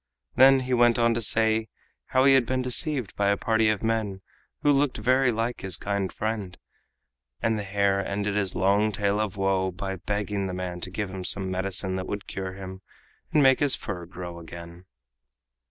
Then he went on to say how he had been deceived by a party of men who looked very like his kind friend: and the hare ended his long tale of woe by begging the man to give him some medicine that would cure him and make his fur grow again.